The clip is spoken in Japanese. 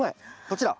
こちら。